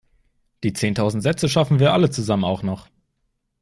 Die zehntausend Sätze schaffen wir alle zusammen auch noch!